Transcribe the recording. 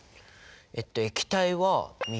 えっと液体は水。